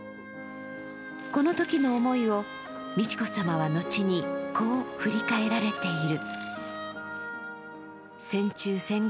このときの思いを美智子さまは後にこう振り返られている。